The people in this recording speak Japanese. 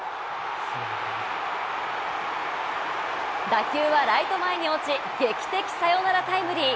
打球はライト前に落ち、劇的サヨナラタイムリー。